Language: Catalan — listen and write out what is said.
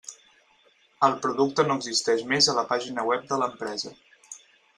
El producte no existeix més a la pàgina web de l'empresa.